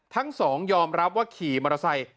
ทั้งสองยอมรับว่าขี่มอเตอร์ไซค์